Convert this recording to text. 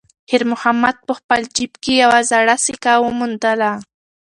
خیر محمد په خپل جېب کې یوه زړه سکه وموندله.